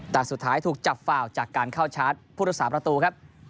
แต่สุดท้ายถูกจับฝ่าจากการเข้าชาร์จพุทธศาสตประตูครับ